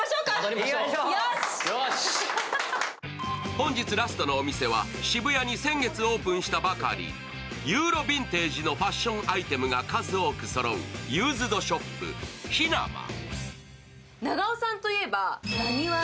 本日ラストのお店は、渋谷に先月オープンしたばかり、ユーロビンテージのファッションアイテムが数多くそろうユーズドショップ、ＨＥＮＡＭＡ。